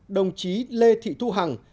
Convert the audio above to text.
đồng chí lê thị thu hằng